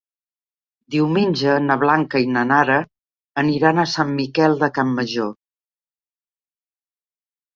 Diumenge na Blanca i na Nara aniran a Sant Miquel de Campmajor.